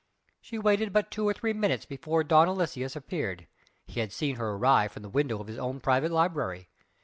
She waited but two or three minutes before Don Aloysius appeared he had seen her arrive from the window of his own private library.